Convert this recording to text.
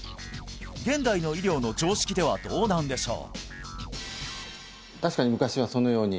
現代の医療の常識ではどうなんでしょう？